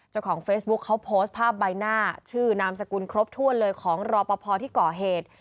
เจ้าของเฟซบุ๊คเขาโพสต์ภาพใบหน้าชื่อนามสกุลครบถ้วนเลยของรอปภที่ก่อเหตุ